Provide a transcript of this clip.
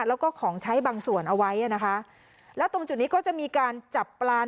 แล้วก็ของใช้บางส่วนเอาไว้อ่ะนะคะแล้วตรงจุดนี้ก็จะมีการจับปลา